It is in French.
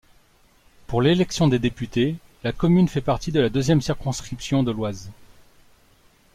Pour l'élection des députés, la commune fait partie de la deuxième circonscription de l'Oise.